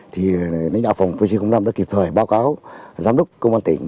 thì lãnh đạo phòng pc năm đã kịp thời báo cáo giám đốc công an tỉnh